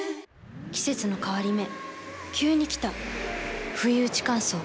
季節の変わり目急に来たふいうち乾燥。